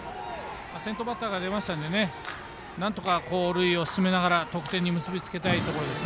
先頭バッターが出ましたのでなんとか塁を進めながら得点に結び付けたいところです。